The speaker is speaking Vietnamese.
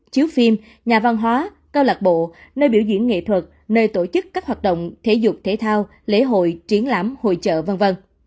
chiếu phim nhà văn hóa câu lạc bộ nơi biểu diễn nghệ thuật nơi tổ chức các hoạt động thể dục thể thao lễ hội triển lãm hội trợ v v